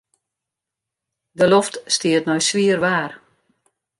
De loft stiet nei swier waar.